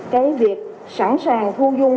cái việc sẵn sàng thu dung